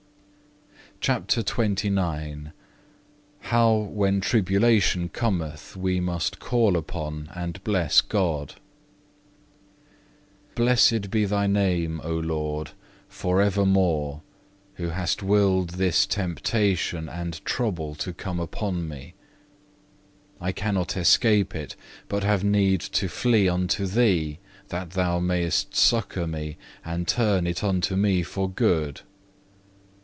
CHAPTER XXIX How when tribulation cometh we must call upon and bless God Blessed be thy name, O Lord, for evermore, who hast willed this temptation and trouble to come upon me. I cannot escape it, but have need to flee unto Thee, that Thou mayest succour me and turn it unto me for good.